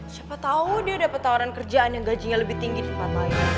siapa tahu dia dapat tawaran kerjaan yang gajinya lebih tinggi di tempat lain